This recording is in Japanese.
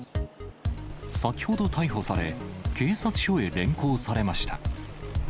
先ほど逮捕され、警察署へ連行されました。